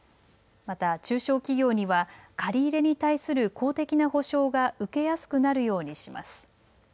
また中小企業には借り入れに対する公的な保証が受けやすくなるようにします。